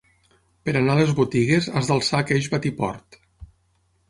Per anar a les botigues has d'alçar aqueix batiport.